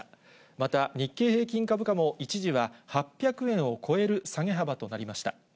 また、日経平均株価も一時は８００円を超える下げ幅となりました。